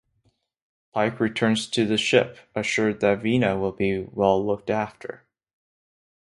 Pike returns to the ship, assured that Vina will be well looked after.